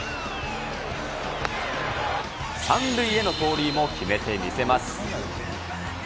３塁への盗塁も決めて見せます。